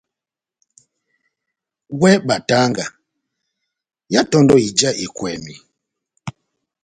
Wɛ batanga yá tondò ija ekwɛmi.